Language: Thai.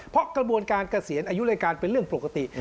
เพราะกระบวนการเกษียณอายุรายการเป็นเรื่องปกติ